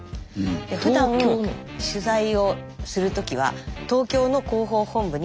でふだん取材をする時は東京の広報本部に。